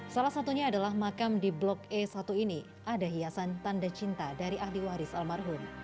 salah satunya adalah makam di blok e satu ini ada hiasan tanda cinta dari ahli waris almarhum